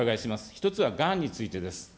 １つはがんについてです。